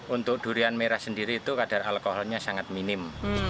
untuk durian merah sendiri itu kadar alkoholnya sangat minim